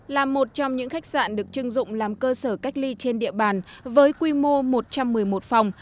là một trong những khách sạn được chưng dụng làm cơ sở cách ly trên địa bàn với quy mô một trăm một mươi một phòng